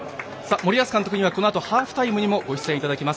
森保監督にはこのあとハーフタイムにもご出演いただきます。